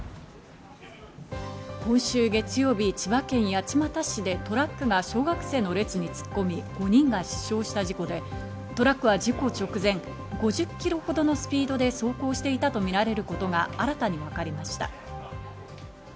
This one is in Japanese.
今週月曜日、千葉県八街市でトラックが小学生の列に突っ込み、５人が死傷した事故でトラックは事故直前、５０キロほどのスピードで走行していたとみられることが新たに分かりました。